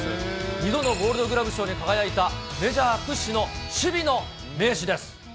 ２度のゴールドグラブ賞に輝いた、メジャー屈指の守備の名手です。